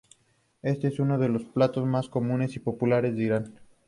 Este es uno de los platos más comunes y populares de Irán.